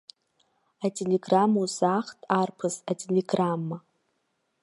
Ателеграмма узаахт, арԥыс, ателеграмма!